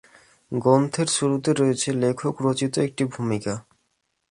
গ্রন্থের শুরুতে রয়েছে লেখক রচিত একটি ভূমিকা।